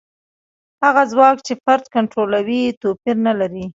هغه ځواک چې فرد کنټرولوي توپیر نه لري.